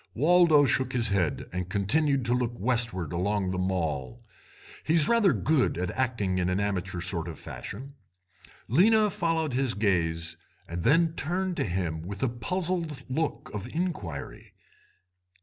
"Waldo shook his head, and continued to look westward along the Mall. He's rather good at acting in an amateur sort of fashion. Lena followed his gaze, and then turned to him with a puzzled look of inquiry.